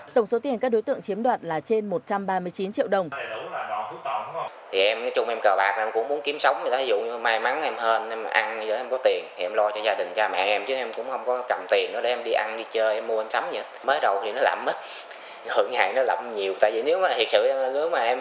tổng số tiền các đối tượng chiếm đoạt là trên một trăm ba mươi chín triệu đồng